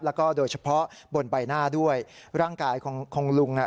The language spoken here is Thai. แล้วก็โดยเฉพาะบนใบหน้าด้วยร่างกายของคงลุงอ่ะ